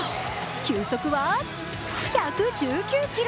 球速は１１９キロ。